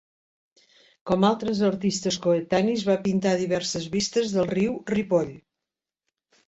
Com altres artistes coetanis, va pintar diverses vistes del Riu Ripoll.